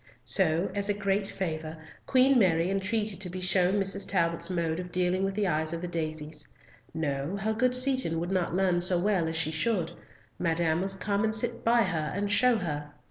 So, as a great favour, Queen Mary entreated to be shown Mrs. Talbot's mode of dealing with the eyes of the daisies. No, her good Seaton would not learn so well as she should; Madame must come and sit by her and show her.